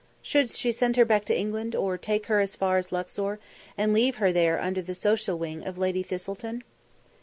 Should she send her back to England, or take her as far as Luxor and leave her there under the social wing of Lady Thistleton?